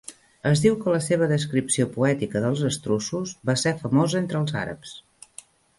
Es diu que la seva descripció poètica dels estruços va ser famosa entre els àrabs.